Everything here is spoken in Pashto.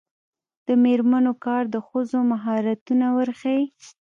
د میرمنو کار د ښځو مهارتونه ورښيي.